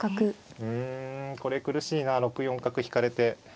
うんこれ苦しいなあ６四角引かれて。